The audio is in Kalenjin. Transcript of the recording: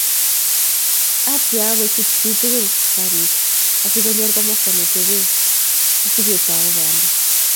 Atia kochut chitukul karit asikonyor komasta netebee, asaa aketou banda